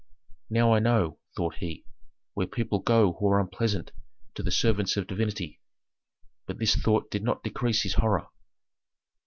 "Now I know," thought he, "where people go who are unpleasant to the servants of divinity." But this thought did not decrease his horror.